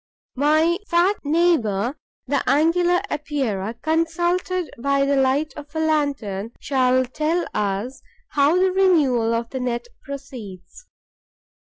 My fat neighbour, the Angular Epeira, consulted by the light of a lantern, shall tell us how the renewal of the net proceeds.